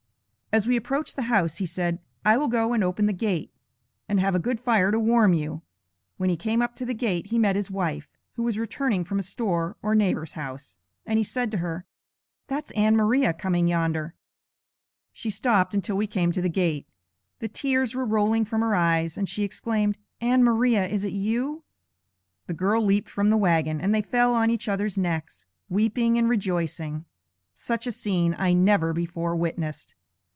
As we approached the house, he said: 'I will go and open the gate, and have a good fire to warm you.' When he came up to the gate, he met his wife, who was returning from a store or neighbor's house, and he said to her, 'That's Ann Maria coming yonder.' She stopped until we came to the gate; the tears were rolling from her eyes, and she exclaimed: 'Ann Maria, is it you?' The girl leaped from the wagon, and they fell on each other's necks, weeping and rejoicing. Such a scene I never before witnessed.